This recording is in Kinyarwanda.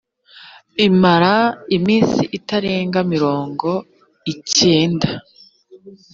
imara iminsi itarenga mirongo icyenda